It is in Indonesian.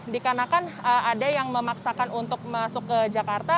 dikarenakan ada yang memaksakan untuk masuk ke jakarta